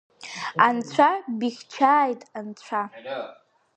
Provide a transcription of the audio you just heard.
Анцәа бихьчааит, анцәа!